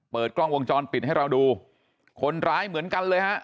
กล้องวงจรปิดให้เราดูคนร้ายเหมือนกันเลยฮะ